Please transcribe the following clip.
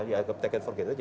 dianggap take and forget aja